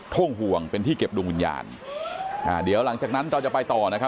่งห่วงเป็นที่เก็บดวงวิญญาณอ่าเดี๋ยวหลังจากนั้นเราจะไปต่อนะครับ